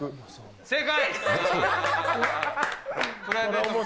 正解。